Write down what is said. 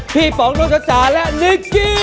พี่ป๋องโน้นชัวร์จาร์และนิกกี้